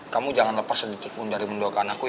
kamu jangan lepas sedetik pun dari mendoakan aku ya